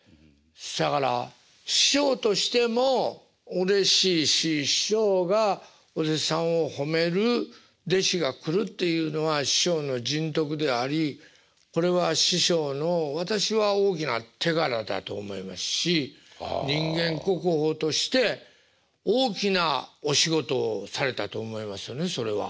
せやから師匠としてもうれしいし師匠がお弟子さんを褒める弟子が来るっていうのは師匠の人徳でありこれは師匠の私は大きな手柄だと思いますし人間国宝として大きなお仕事をされたと思いますよねそれは。